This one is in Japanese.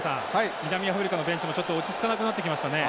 南アフリカのベンチもちょっと落ち着かなくなってきましたね。